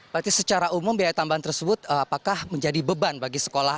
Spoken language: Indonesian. berarti secara umum biaya tambahan tersebut apakah menjadi beban bagi sekolah